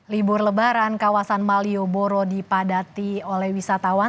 libur lebaran kawasan malioboro dipadati oleh wisatawan